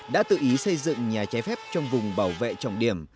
đã tự ý xây dựng nhà trái phép trong vùng bảo vệ trọng điểm